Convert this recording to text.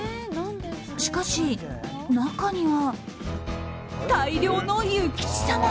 しかし、中には大量の諭吉様！